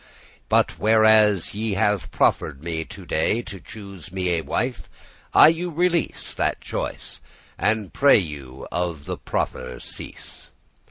But whereas ye have proffer'd me to day To choose me a wife, I you release That choice, and pray you of that proffer cease.